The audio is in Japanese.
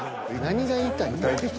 何が言いたい？